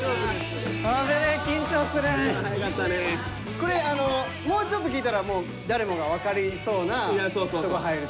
これもうちょっと聴いたら誰もが分かりそうな。